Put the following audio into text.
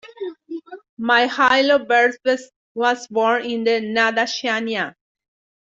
Mykhailo Verbytsky was born in the Nadsyannya.